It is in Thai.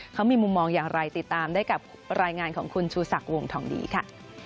เขามีมุมมองอย่างไรติดตามได้กับรายงานของคุณชูศักดิ์วงทองดีค่ะ